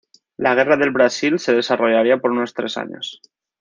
La Guerra del Brasil se desarrollaría por unos tres años.